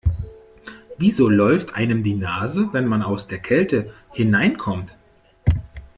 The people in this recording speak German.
Wieso läuft einem die Nase, wenn man aus der Kälte hineinkommt?